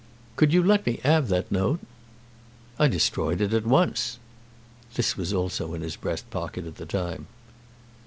"Could you let me 'ave that note?" "I destroyed it at once." This was also in his breast pocket at the time.